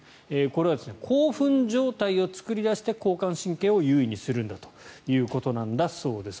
これは興奮状態を作り出して交感神経を優位にするんだということなんだそうです。